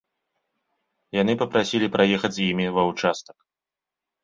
Яны папрасілі праехаць з імі ва участак.